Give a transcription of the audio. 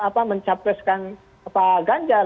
apa mencapreskan pak ganjar